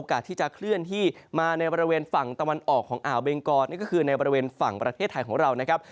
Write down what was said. อาวเบงกรนี่ก็คือในบริเวณฝั่งประเทศไทยของเรานะครับ